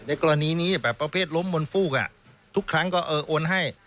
กรณีนี้แบบประเภทล้มบนฟูกทุกครั้งก็โอนให้